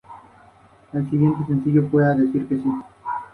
Se graduó en derecho en Sassari ejerciendo como abogado penalista en Nuoro.